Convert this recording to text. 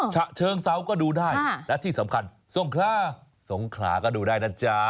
ฉะเชิงเซาก็ดูได้และที่สำคัญทรงขลาสงขลาก็ดูได้นะจ๊ะ